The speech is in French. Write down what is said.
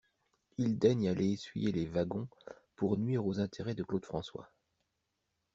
Il daigne aller essuyer les wagons pour nuire aux intérêts de Claude François.